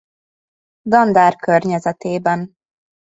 Dandár környezetében.